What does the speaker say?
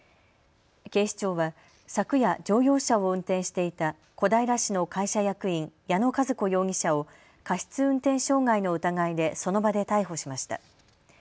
警視庁は昨夜、乗用車を運転していた小平市の会社役員、矢野和子容疑者を過失運転傷害の疑いでその場で逮捕しました。